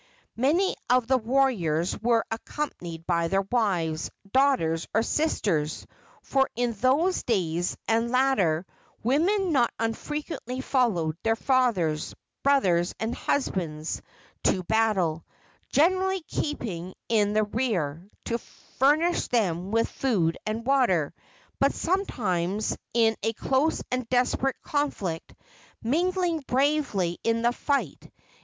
Many of the warriors were accompanied by their wives, daughters or sisters; for in those days, and later, women not unfrequently followed their fathers, brothers and husbands to battle, generally keeping in the rear to furnish them with food and water, but sometimes, in a close and desperate conflict, mingling bravely in the fight.